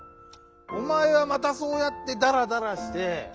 おまえはまたそうやってダラダラして。